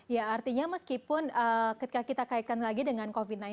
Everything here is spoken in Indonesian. ya artinya meskipun ketika kita kaitkan lagi dengan covid sembilan belas